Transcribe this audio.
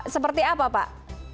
seperti apa pak